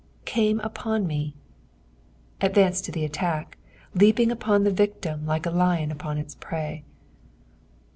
" Catnt upon me "— advanced to the attack, leaping upon the victim like a lion upnn its prey.